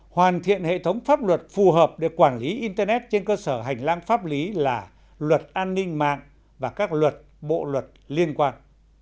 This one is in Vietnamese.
hoàn thiện hệ thống pháp luật phù hợp để quản lý internet trên cơ sở hành lang pháp lý là luật an ninh mạng và các luật bộ luật liên quan